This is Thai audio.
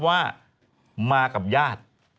ว่ามากับญาติ